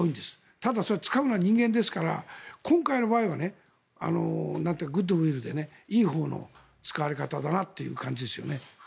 ただ、使うのは人間ですから今回の場合は、グッドウィルでいいほうの使われ方だなという感じですね。